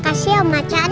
makasih oma chan